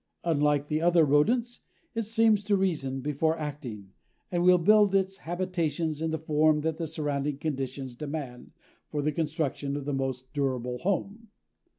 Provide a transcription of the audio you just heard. Unlike the other rodents, it seems to reason before acting and will build its habitations in the form that the surrounding conditions demand for the construction of the most durable home.